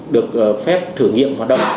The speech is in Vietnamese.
được phép thử nghiệm hoạt động